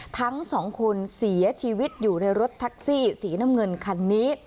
ทั้งสองคนเสียชีวิตอยู่ในรถแท็กซี่สีน้ำเงินคันนี้